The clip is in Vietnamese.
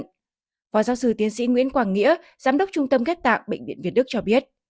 phó giáo sư tiến sĩ nguyễn quang nghĩa giám đốc trung tâm ghép tạng bệnh viện việt đức cho biết